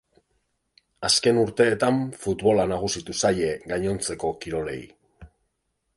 Azken urteetan futbola nagusitu zaie gainontzeko kirolei.